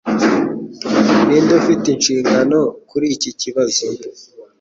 Ninde ufite inshingano kuri iki kibazo